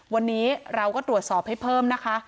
วันนี้เราก็ตรวจสอบให้เพิ่มนะคะ